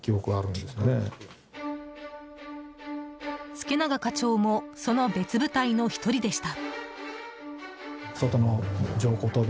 助永課長もその別部隊の１人でした。